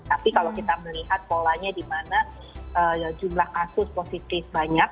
tapi kalau kita melihat polanya di mana jumlah kasus positif banyak